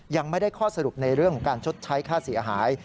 ยังไม่ได้ข้อสรุปในเรื่องของการชดใช้ค่าเสียหาย